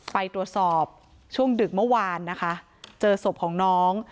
ไปตรวจสอบช่วงดึกเมื่อวานนะคะเจอศพของน้อง